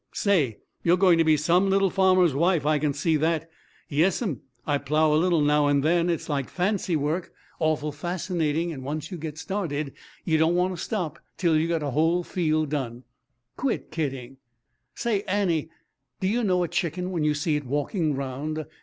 "Say, you're going to be some little farmer's wife. I can see that. Yes'm, I plough a little now and then. It's like fancywork awful fascinating and once you get started you don't want to stop till you get a whole field done." "Quit kidding." "Say, Annie, do you know a chicken when you see it walking round?